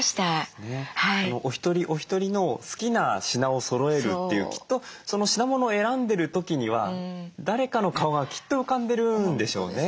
お一人お一人の好きな品をそろえるっていうきっとその品物を選んでる時には誰かの顔がきっと浮かんでるんでしょうね。